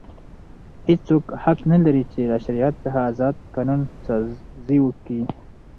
هیڅوک حق نه لري، چي له شریعت څخه ازاد قانون سازي وکي.